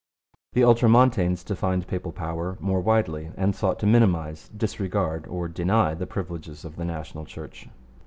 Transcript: The Ultramontanes defined papal power more widely and sought to minimize, disregard, or deny the privileges of the national Church.